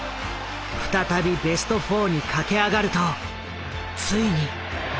再びベスト４に駆け上がるとついに。